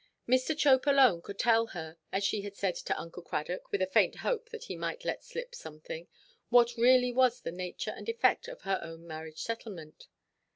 Mr. Chope alone could tell her, as she had said to "Uncle Cradock" (with a faint hope that he might let slip something), what really was the nature and effect of her own marriage–settlement.